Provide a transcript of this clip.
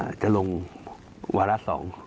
อ่าจะลงวารัส๒